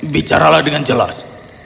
bicaralah dengan jelas